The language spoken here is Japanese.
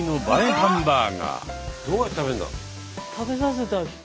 ハンバーガー。